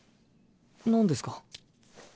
何ですか？